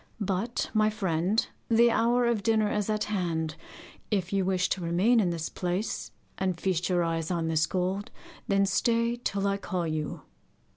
But, my friend, the hour of dinner is at hand. If you wish to remain in this place, and feast your eyes on this gold, then stay till I call you.